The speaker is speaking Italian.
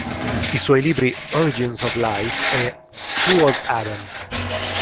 I suoi libri 'Origins of Life' e 'Who Was Adam?